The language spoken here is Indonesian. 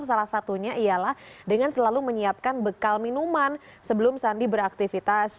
salah satunya ialah dengan selalu menyiapkan bekal minuman sebelum sandi beraktivitas